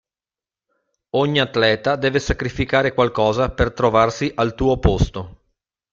Ogni atleta deve sacrificare qualcosa per trovarsi al tuo posto.